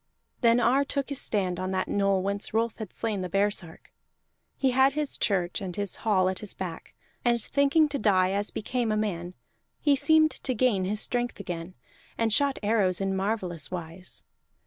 Then Ar took his stand on that knoll whence Rolf had slain the baresark; he had his church and his hall at his back, and thinking to die as became a man he seemed to gain his strength again, and shot arrows in marvellous wise.